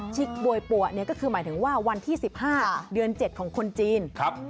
บวยปัวก็คือหมายถึงว่าวันที่๑๕เดือน๗ของคนจีน